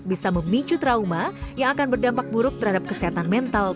bisa memicu trauma yang akan berdampak buruk terhadap kesehatan mental